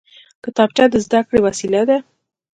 کتابچه د زده کړې وسیله ده